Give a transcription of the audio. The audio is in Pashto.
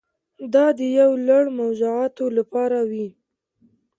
دا د یو لړ موضوعاتو لپاره وي.